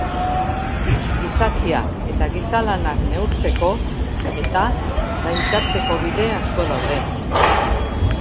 Gizakiak eta giza lanak neurtzeko eta sailkatzeko bide asko daude.